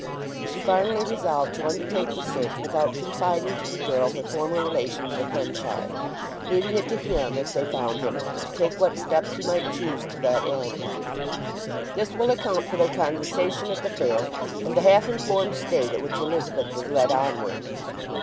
She finally resolved to undertake the search without confiding to the girl her former relations with Henchard, leaving it to him if they found him to take what steps he might choose to that end. This will account for their conversation at the fair and the half informed state at which Elizabeth was led onward.